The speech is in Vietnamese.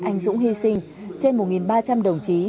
anh dũng hy sinh trên một ba trăm linh đồng chí